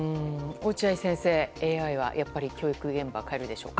落合先生、ＡＩは教育現場を変えるでしょうか。